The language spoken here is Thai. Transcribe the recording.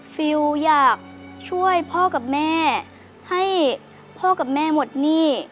ฟิลอยากช่วยพ่อกับแม่ให้พ่อกับแม่หมดหนี้